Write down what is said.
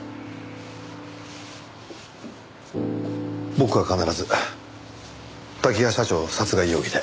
僕が必ず多岐川社長を殺害容疑で。